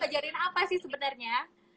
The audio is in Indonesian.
ajarin apa sih sebenernya